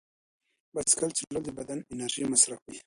بایسکل چلول د بدن انرژي مصرفوي.